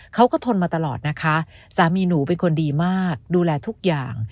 ทนมาตลอดนะคะสามีหนูเป็นคนดีมากดูแลทุกอย่าง